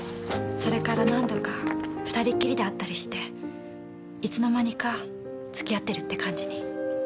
それから何度か２人っきりで会ったりしていつの間にか付き合ってるって感じに。